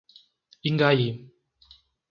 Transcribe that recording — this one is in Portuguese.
Ingaí